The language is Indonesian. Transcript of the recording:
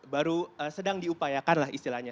baru sedang diupayakan lah istilahnya